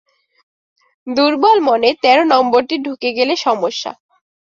দুর্বল মনে তেরো নম্বরটি ঢুকে গেলে সমস্যা।